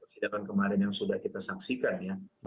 sidang kemarin yang sudah kita saksikan ya